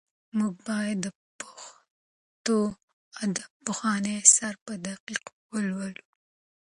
موږ باید د پښتو ادب پخواني اثار په دقت ولولو.